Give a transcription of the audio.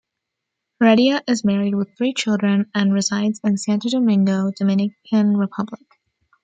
Heredia is married with three children and resides in Santo Domingo, Dominican Republic.